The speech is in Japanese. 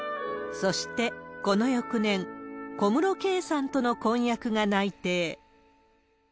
そして、この翌年、小室圭さんとの婚約が内定。